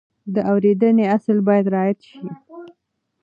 د اورېدنې اصل باید رعایت شي.